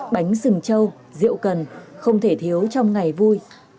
bánh rừng trâu rượu cần không thể thiếu trong ngày vui